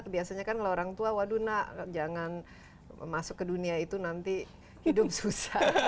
biasanya kan kalau orang tua waduh nak jangan masuk ke dunia itu nanti hidup susah